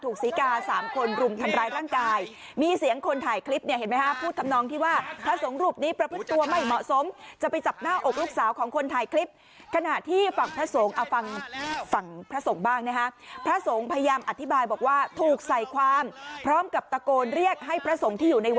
ศรีกาสามคนรุมทำร้ายร่างกายมีเสียงคนถ่ายคลิปเนี่ยเห็นไหมฮะพูดทำนองที่ว่าพระสงฆ์รูปนี้ประพฤติตัวไม่เหมาะสมจะไปจับหน้าอกลูกสาวของคนถ่ายคลิปขณะที่ฝั่งพระสงฆ์เอาฟังฝั่งพระสงฆ์บ้างนะฮะพระสงฆ์พยายามอธิบายบอกว่าถูกใส่ความพร้อมกับตะโกนเรียกให้พระสงฆ์ที่อยู่ในว